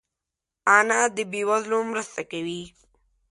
انا د بې وزلو مرسته کوي